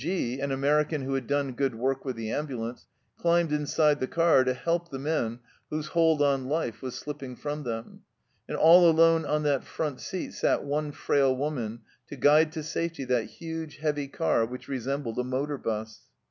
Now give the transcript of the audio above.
G , an American who had done good work with the ambulance, climbed inside the car to help the men whose hold on life was slipping from them, and all alone on that front seat sat one frail woman to guide to safety that huge, heavy car which resembled a motor bus.